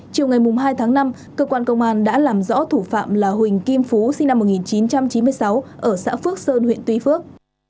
chiều ngày hai tháng năm cơ quan công an đã làm rõ thủ phạm là huỳnh kim phú sinh năm một nghìn chín trăm chín mươi sáu ở xã phước sơn huyện tuy phước